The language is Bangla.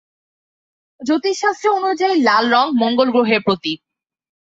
জ্যোতিষ শাস্ত্র অনুযায়ী লাল রঙ মঙ্গল গ্রহের প্রতীক।